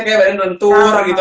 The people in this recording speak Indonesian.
kayak badan lentur gitu